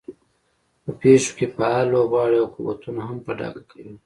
په پېښو کې فعال لوبغاړي او قوتونه هم په ډاګه کوي.